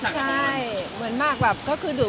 ใช่เหมือนคือละแบบของเขาจัดการ